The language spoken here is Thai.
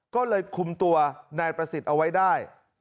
ก็เลยคุมตัวนายประสิทธิ์เอาไว้ได้